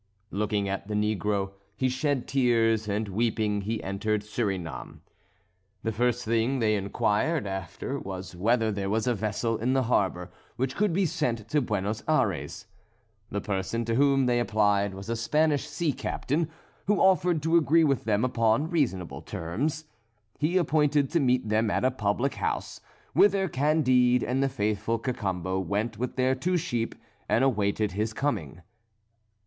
Looking at the negro, he shed tears, and weeping, he entered Surinam. The first thing they inquired after was whether there was a vessel in the harbour which could be sent to Buenos Ayres. The person to whom they applied was a Spanish sea captain, who offered to agree with them upon reasonable terms. He appointed to meet them at a public house, whither Candide and the faithful Cacambo went with their two sheep, and awaited his coming.